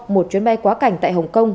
một chuyến bay quá cảnh tại hồng kông